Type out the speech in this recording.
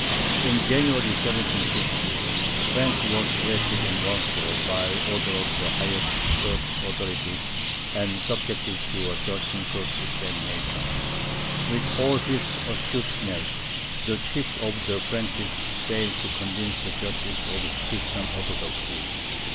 In January, 1760, Frank was arrested in Warsaw by order of the highest Church authorities, and subjected to a searching cross examination. With all his astuteness, the chief of the Frankists failed to convince the judges of his Christian Orthodoxy.